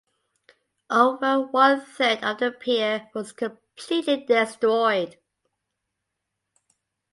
Over one-third of the Pier was completely destroyed.